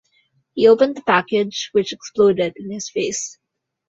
He opened the package which exploded in his face.